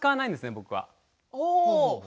僕は。